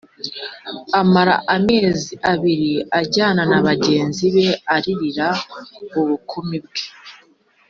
amara amezi abiri Ajyana na bagenzi be aririra ubukumi bwe